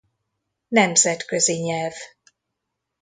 Nemzetközi Nyelv.